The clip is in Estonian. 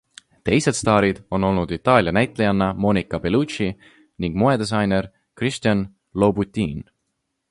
Teised staarid on olnud Itaalia näitlejanna Monica Bellucci ning moedisainer Christian Louboutin.